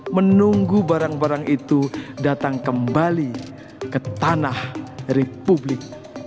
menunggu barang barang itu datang kembali ke tanah republik